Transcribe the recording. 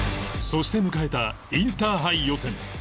そして迎えたインターハイ予選